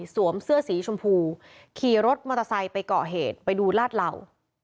เสื้อสีชมพูขี่รถมอเตอร์ไซค์ไปเกาะเหตุไปดูลาดเหล่า